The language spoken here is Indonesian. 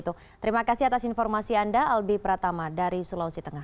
terima kasih atas informasi anda albi pratama dari sulawesi tengah